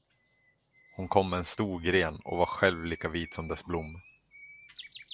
Hon kom med en stor gren och var själv lika vit som dess blom.